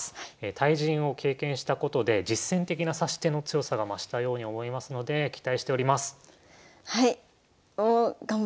対人を経験したことで実戦的な指し手の強さが増したように思いますので期待しております。